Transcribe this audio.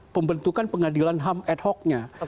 pembentukan pengadilan ham ad hoc nya